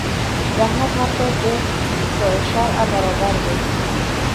د احمد هر کار د په شرعه برابر دی.